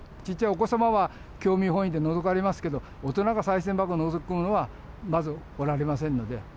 ちっちゃいお子様は興味本位でのぞかれますけど、大人がさい銭箱をのぞき込むのはまずおられませんので。